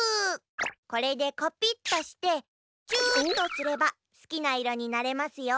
これでコピッとしてチューとすればすきないろになれますよ。